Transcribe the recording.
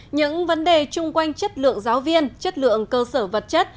những vấn đề chung quanh chất lượng giáo viên chất lượng cơ sở vật chất